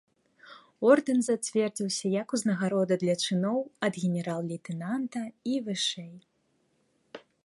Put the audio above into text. Ордэн зацвердзіўся як узнагарода для чыноў ад генерал-лейтэнанта і вышэй.